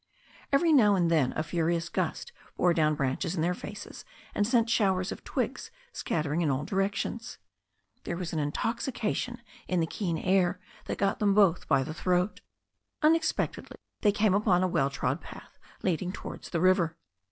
Every now and then a furious gust bore down branches in their faces, and sent showers of twigs scattering in all directions. There was an intoxication in the keen air that got them both by the throat. Unexpectedly they came upon a well trod path leading towards the river.